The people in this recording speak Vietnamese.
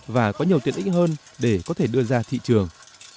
và có nhiều tiện ích hơn để có thể đưa ra thị trường